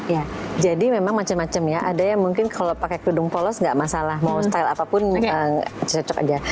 ya jadi memang macam macam ya ada yang mungkin kalau pakai kedudung polos nggak masalah mau style apapun cocok aja